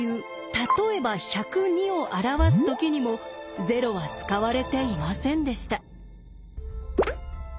例えば１０２を表す時にも０は使われていませんでした。